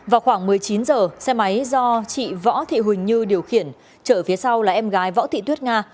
vào khoảng một mươi chín h xe máy do chị võ thị huỳnh như điều khiển chở phía sau là em gái võ thị tuyết nga